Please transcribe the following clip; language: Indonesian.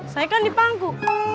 saya kan di pangku